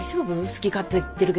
好き勝手言ってるけど。